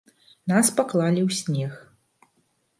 Нас паклалі ў снег.